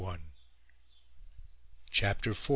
CHAPTER IV.